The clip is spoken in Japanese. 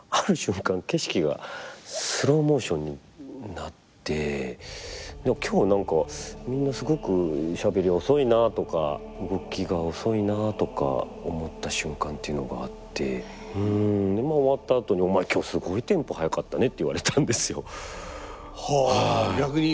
景色がスローモーションになって今日何かみんなすごくしゃべり遅いなとか動きが遅いなとか思った瞬間っていうのがあってまあ終わったあとでお前今日すごいテンポ速かったねって言われたんですよ。は逆に。